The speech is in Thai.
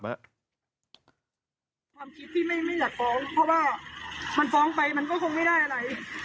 ความคิดที่ไม่อยากฟ้องเพราะว่ามันฟ้องไปมันก็คงไม่ได้อะไร